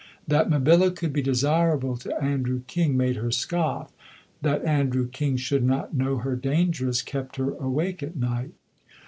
That Mabilla could be desirable to Andrew King made her scoff; that Andrew King should not know her dangerous kept her awake at night.